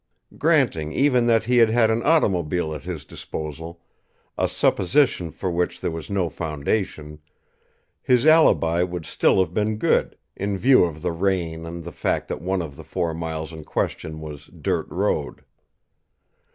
Granting even that he had had an automobile at his disposal a supposition for which there was no foundation his alibi would still have been good, in view of the rain and the fact that one of the four miles in question was "dirt road."